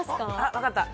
わかった！